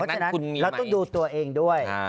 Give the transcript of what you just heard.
ฉะนั้นเราต้องดูตัวเองด้วย